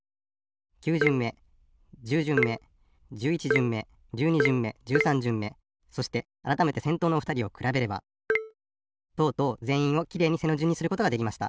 ９じゅんめ１０じゅんめ１１じゅんめ１２じゅんめ１３じゅんめそしてあらためてせんとうのおふたりをくらべればとうとうぜんいんをきれいに背のじゅんにすることができました。